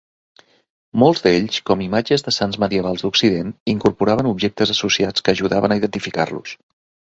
Molts d'ells, com imatges de sants medievals d'occident, incorporaven objectes associats que ajudaven a identificar-los.